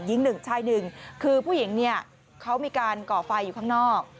ยิง๑ชาย๑คือผู้หญิงเนี่ยเขามีการก่อไฟอยู่ข้างนอก